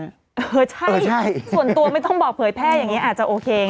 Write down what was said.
เออใช่ส่วนตัวไม่ต้องบอกเผยแพร่อย่างนี้อาจจะโอเค